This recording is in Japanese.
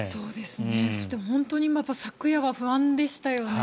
そして、本当に昨夜は不安でしたよね。